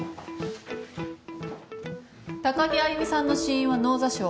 高城歩さんの死因は脳挫傷。